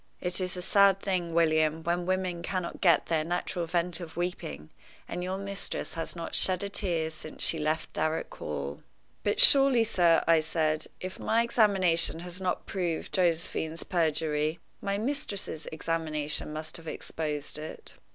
It is a sad thing, William, when women cannot get their natural vent of weeping, and your mistress has not shed a tear since she left Darrock Hall." "But surely, sir," I said, "if my examination has not proved Josephine's perjury, my mistress's examination must have exposed it?"